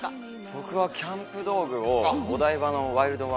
僕はキャンプ道具をお台場のＷＩＬＤ−１。